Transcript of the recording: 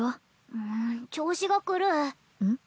うん調子が狂ううんっ？